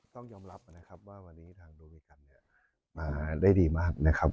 ต้องยอมรับนะครับว่าวันนี้ทางโดมิกันเนี่ยมาได้ดีมากนะครับ